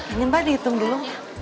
ini mbak dihitung dulu